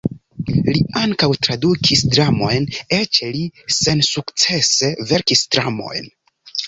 Li ankaŭ tradukis dramojn, eĉ li sensukcese verkis dramojn.